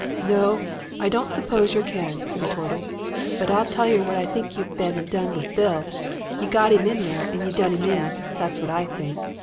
"'No, I don't suppose yer can,' he retorted; 'but I'll tell yer what I think you've been and done with Bill. You got 'im in there and you done 'im in. That's what I think.